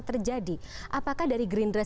terjadi apakah dari green dress